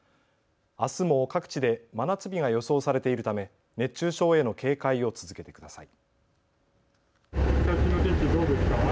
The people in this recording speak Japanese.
あすも各地で真夏日が予想されているため熱中症への警戒を続けてください。